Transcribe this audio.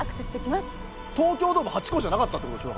東京ドーム８個じゃなかったってことでしょ。